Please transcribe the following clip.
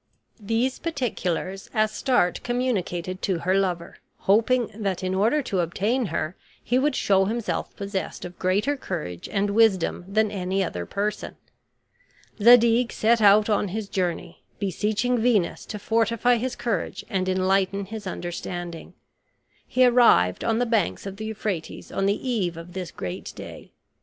These particulars Astarte communicated to her lover, hoping that in order to obtain her he would show himself possessed of greater courage and wisdom than any other person. Zadig set out on his journey, beseeching Venus to fortify his courage and enlighten his understanding. He arrived on the banks of the Euphrates on the eve of this great day.